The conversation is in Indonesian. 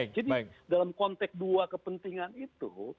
jadi dalam konteks dua kepentingan itu